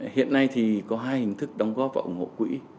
hiện nay thì có hai hình thức đóng góp và ủng hộ quỹ